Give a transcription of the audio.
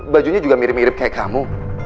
bajunya juga mirip mirip kayak kamu